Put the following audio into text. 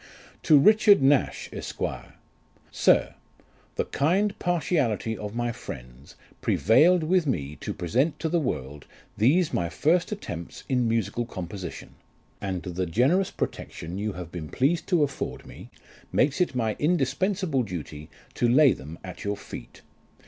" To RICHAED NASH, ESQ. "SiE: The kind partiality of my friends prevailed with me to present to the world these my first attempts in musical composition ; and the generous protection you have been pleased to afford me, makes it my indis pensable duty to lay them at your feet.